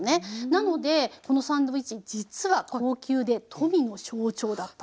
なのでこのサンドイッチ実は高級で富の象徴だった。